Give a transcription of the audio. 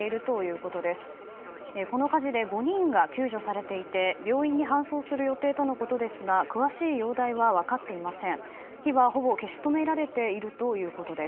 この火事で５人が救助されていて病院に搬送する予定とのことですが詳しい容体は分かっていません。